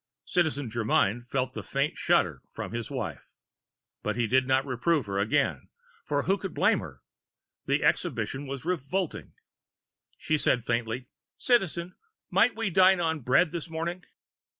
Citizen Germyn felt a faint shudder from his wife. But he did not reprove her again, for who could blame her? The exhibition was revolting. She said faintly: "Citizen, might we dine on bread this morning?"